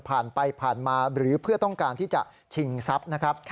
ผ่านไปผ่านมาหรือเพื่อต้องการที่จะชิงทรัพย์นะครับ